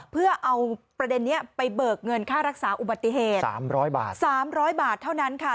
เพื่อเอาประเด็นนี้ไปเบิกเงินค่ารักษาอุบัติเหตุ๓๐๐บาท๓๐๐บาทเท่านั้นค่ะ